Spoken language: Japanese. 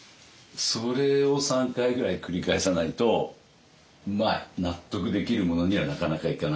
それを３回ぐらい繰り返さないとまあ納得できるものにはなかなかいかないです。